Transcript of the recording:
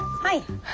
はい。